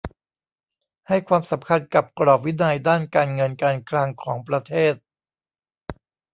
ให้ความสำคัญกับกรอบวินัยด้านการเงินการคลังของประเทศ